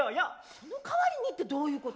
そのかわりにってどういうこと？